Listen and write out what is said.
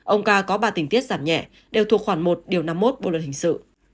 ông k có ba tính tiết giảm nhẹ đều thuộc khoảng một năm mươi một bộ luật hình sự